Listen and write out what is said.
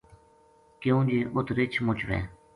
کیوں جے اُت رچھ مُچ وھے